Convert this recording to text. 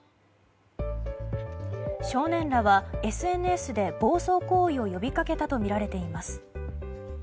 少年らはＳＮＳで暴走行為を呼びかけたとみられています。